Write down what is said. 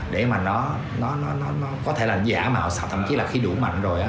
để mà nó có thể là giả mà họ sập thậm chí là khi đủ mạnh rồi á